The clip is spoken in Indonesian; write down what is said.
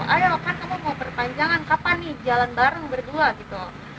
ayo kan kamu mau perpanjangan kapan nih jalan bareng berdua gitu